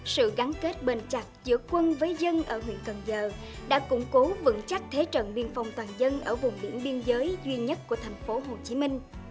sự gắn kết bền chặt giữa quân với dân ở huyện cần giờ đã củng cố vững chắc thế trận biên phòng toàn dân ở vùng biển biên giới duy nhất của thành phố hồ chí minh